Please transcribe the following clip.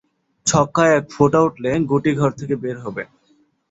ছক্কায় এক ফোঁটা উঠলে গুটি ঘর থেকে বের হবে।